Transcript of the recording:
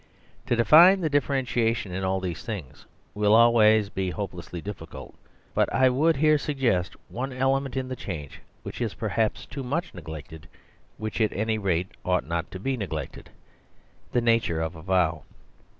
To define the differentiation in all these things will always be hopelessly difficult. But I would here suggest one ele ment in the change which is perhaps too much neglected; which at any rate ought not to be neglected ; the nature of a vow.